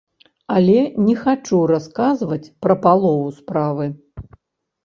Але не хачу расказваць пра палову справы.